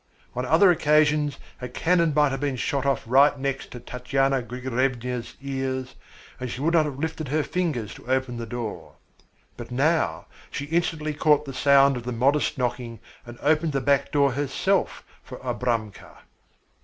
On other occasions a cannon might have been shot off right next to Tatyana Grigoryevna's ears and she would not have lifted her fingers to open the door. But now she instantly caught the sound of the modest knocking and opened the back door herself for Abramka.